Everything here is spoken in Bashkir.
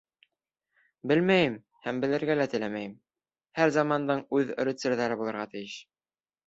— Белмәйем, һәм белергә лә теләмәйем, һәр замандың үҙ рыцарҙәре булырға тейеш.